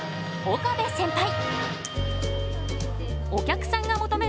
岡部センパイ。